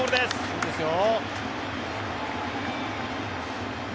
いいですよ。